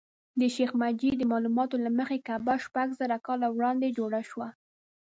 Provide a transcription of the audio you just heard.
د شیخ مجید د معلوماتو له مخې کعبه شپږ زره کاله وړاندې جوړه شوه.